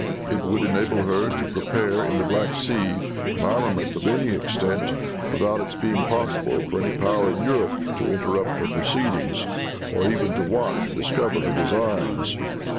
It would enable her to prepare in the Black Sea an armament of any extent, without its being possible for any power in Europe to interrupt her proceedings, or even to watch or discover her designs.